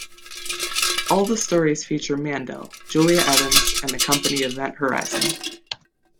All the stories feature Mandel, Julia Evans and the company Event Horizon.